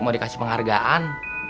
mau dikasih penghargaan